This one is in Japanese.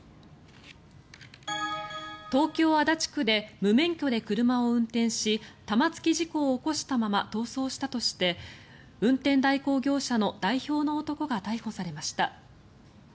東京・足立区で無免許で車を運転し玉突き事故を起こしたまま逃走したとして運転代行業者の代表の男が逮捕されました。